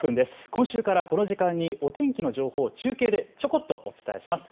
今週からこの時間にお天気の情報を中継でちょこっとお伝えします。